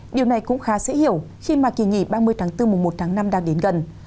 điều này cũng khá dễ hiểu khi mà kỳ nghỉ ba mươi tháng bốn mùa một tháng năm đang đến gần